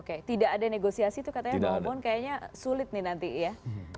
oke tidak ada negosiasi tuh katanya bang obon kayaknya sulit nih nanti ya